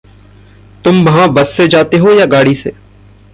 तुम वहाँ बस से जाते हो या गाड़ी से?